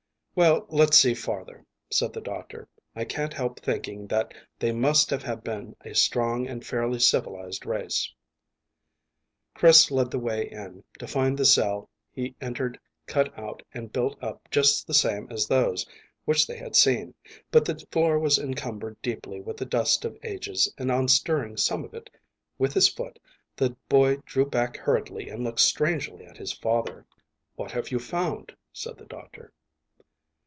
"Well, let's see farther," said the doctor. "I can't help thinking that they must have been a strong and fairly civilised race." Chris led the way in, to find the cell he entered cut out and built up just the same as those which they had seen; but the floor was encumbered deeply with the dust of ages, and on stirring some of it with his foot the boy drew back hurriedly and looked strangely at his father. "What have you found?" said the doctor.